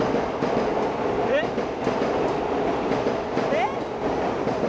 えっ？